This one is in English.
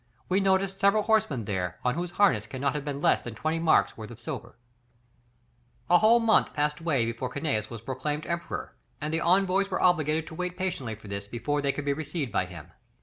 We noticed several horsemen there, on whose harness cannot have been less than twenty marks' worth of silver." [Illustration: The Tartars.] A whole month passed away before Cunius was proclaimed Emperor, and the envoys were obliged to wait patiently for this before they could be received by him.